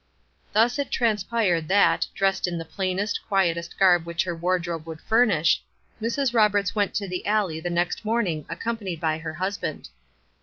Thus it transpired that, dressed in the plainest, quietest garb which her wardrobe would furnish, Mrs. Roberts went to the alley the next morning accompanied by her husband.